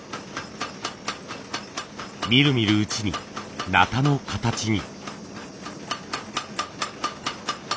みるみるうちに鉈の形に。